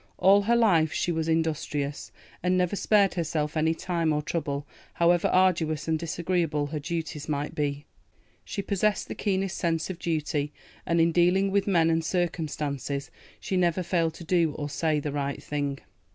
All her life she was industrious, and never spared herself any time or trouble, however arduous and disagreeable her duties might be. She possessed the keenest sense of duty, and in dealing with men and circumstances she never failed to do or say the right thing.